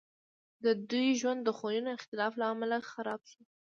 د دوی ژوند د خویونو د اختلاف له امله خراب شو